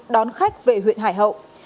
đón khách về huyện hải hậu tp hcm bình dương